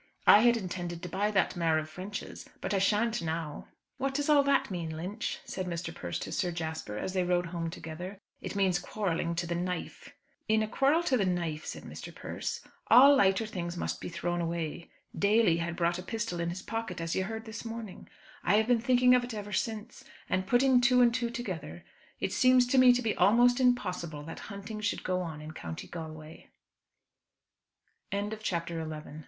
I had intended to buy that mare of French's, but I shan't now." "What does all that mean, Lynch?" said Mr. Persse to Sir Jasper, as they rode home together. "It means quarrelling to the knife." "In a quarrel to the knife," said Mr. Persse, "all lighter things must be thrown away. Daly had brought a pistol in his pocket as you heard this morning. I have been thinking of it ever since; and, putting two and two together, it seems to me to be almost impossible that hunting should go on in County Galway." CHAPTER XII. "DON'T HATE HIM, ADA."